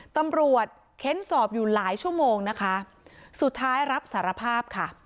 เค้นสอบอยู่หลายชั่วโมงนะคะสุดท้ายรับสารภาพค่ะ